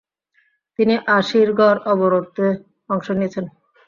তিনি আসিরগড় অবরোধে অংশ নিয়েছেন।